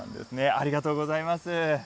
ありがとうございます。